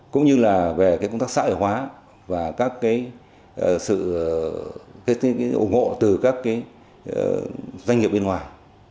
cũng như là về công tác xã hội hóa và các cái sự ủng hộ từ các doanh nghiệp bên ngoài